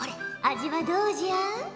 味はどうじゃ？